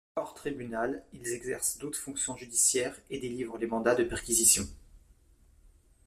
Hors tribunal, ils exercent d'autres fonctions judiciaires et délivrent les mandats de perquisition.